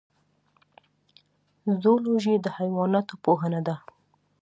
زولوژی د حیواناتو پوهنه ده